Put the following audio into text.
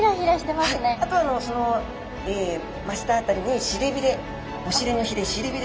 あとはその真下辺りに臀びれお尻のひれ